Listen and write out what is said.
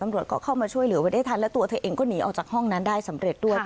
ตำรวจก็เข้ามาช่วยเหลือไว้ได้ทันและตัวเธอเองก็หนีออกจากห้องนั้นได้สำเร็จด้วย